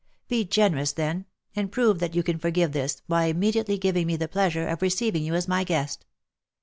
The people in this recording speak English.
Be generous, then, and prove that you can forgive this, by immediately giving me the pleasure of re ceiving you as my guest.